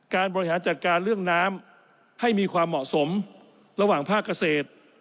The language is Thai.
บริหารจัดการเรื่องน้ำให้มีความเหมาะสมระหว่างภาคเกษตร